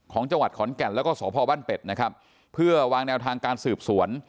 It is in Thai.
จังหวัดขอนแก่นแล้วก็สพบ้านเป็ดนะครับเพื่อวางแนวทางการสืบสวน